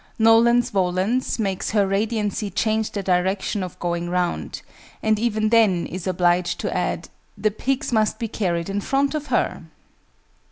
NOLENS VOLENS makes Her Radiancy change the direction of going round; and even then is obliged to add "the pigs must be carried in front of her"!